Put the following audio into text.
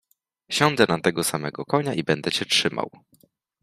Siądę na tego samego konia i będę cię trzymał.